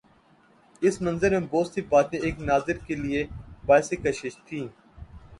اس منظر میں بہت سی باتیں ایک ناظر کے لیے باعث کشش تھیں۔